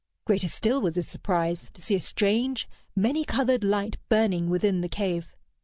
Greater still was his surprise to see a strange many colored light burning within the cave.